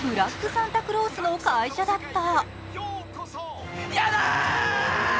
サンタクロースの会社だった。